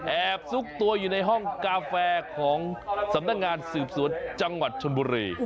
ซุกตัวอยู่ในห้องกาแฟของสำนักงานสืบสวนจังหวัดชนบุรี